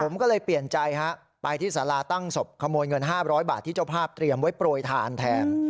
ผมก็เลยเปลี่ยนใจฮะไปที่สาราตั้งศพขโมยเงิน๕๐๐บาทที่เจ้าภาพเตรียมไว้โปรยทานแทน